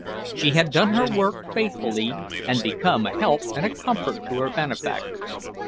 She had done her work faithfully and become a help and a comfort to her benefactors.